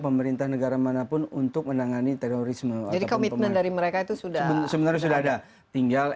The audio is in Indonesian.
pemerintah negara manapun untuk menangani terorisme atau komponen dari mereka itu sudah sebenarnya sudah ada tinggal